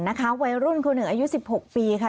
นะคะวัยรุ่นคนหนึ่งอายุสิบหกปีค่ะ